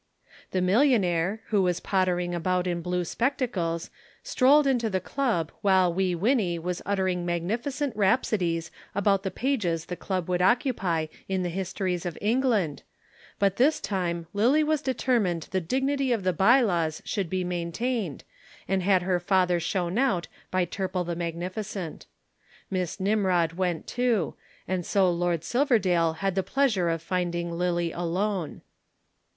The millionaire, who was pottering about in blue spectacles, strolled into the club while Wee Winnie was uttering magnificent rhapsodies about the pages the Club would occupy in the histories of England, but this time Lillie was determined the dignity of the by laws should be maintained, and had her father shown out by Turple the magnificent. Miss Nimrod went, too, and so Lord Silverdale had the pleasure of finding Lillie alone.